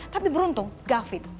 tapi beruntung gavin